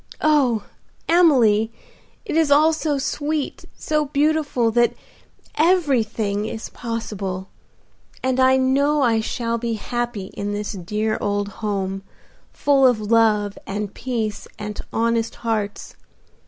Oh! Emily, it is all so sweet, so beautiful, that everything is possible, and I know I shall be happy in this dear old home, full of love and peace and honest hearts.